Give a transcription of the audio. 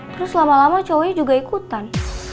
terus lama lama cowe juga ikutan